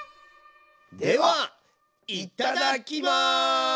ではいただきます！